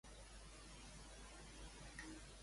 Què ha pujat una mica, però?